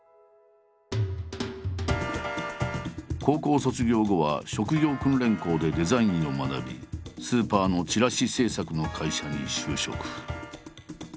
高校卒業後は職業訓練校でデザインを学びスーパーのチラシ制作の会社に就職。